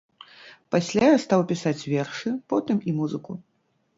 Пасля я стаў пісаць вершы, потым і музыку.